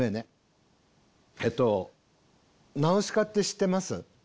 えっと「ナウシカ」って知ってます？